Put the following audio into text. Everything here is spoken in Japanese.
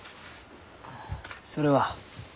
それは？